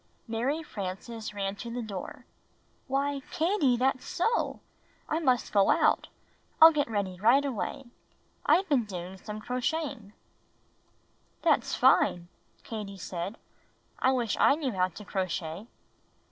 Mary Frances ran to the door. "Why, Katie, that's so! I must go out. I'll get ready right away. I've been doing some crocheting." "That's fine," Katie said. "I wish I knew how to crochet."